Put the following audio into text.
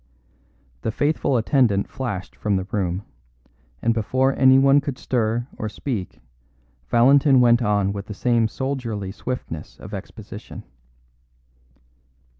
The faithful attendant flashed from the room, and before anyone could stir or speak Valentin went on with the same soldierly swiftness of exposition.